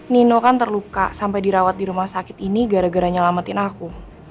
nino kan terluka sampai dirawat di rumah sakit ini gara gara nyelamatin aku